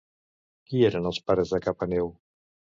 Qui eren els pares de Capaneu?